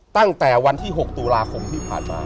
ตั้งแต่วันที่๖ตุลาคมที่ผ่านมา